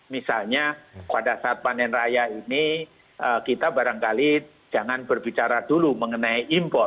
misalnya pada saat panen raya ini kita barangkali jangan berbicara dulu mengenai impor